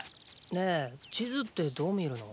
ねえ地図ってどう見るの？